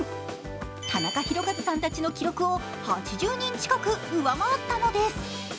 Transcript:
タナカヒロカズさんたちの記録を８０人近く上回ったのです。